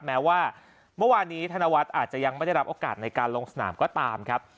แม้ว่าเมื่อวานนี้ธนวัฒน์อาจจะยังไม่ได้รับโอกาสในการลงสนามก็ตามครับ